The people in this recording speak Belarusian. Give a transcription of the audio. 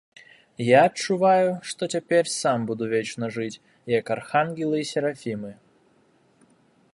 Я адчуваю, што цяпер сам буду вечна жыць, як архангелы і серафімы.